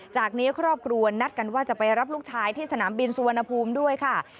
จากนี้ครอบครัวนัดกันว่าจะไปรับลูกชายที่สนามบินสุวรรณภูมิด้วยค่ะ